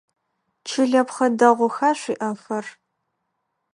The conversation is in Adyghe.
Чылэпхъэ дэгъуха шъуиӏэхэр?